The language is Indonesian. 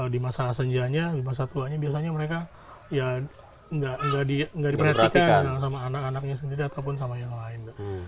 di masa senjanya di masa tuanya biasanya mereka ya nggak diperhatikan sama anak anaknya sendiri ataupun sama yang lain